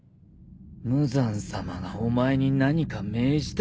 無惨さまがお前に何か命じたか？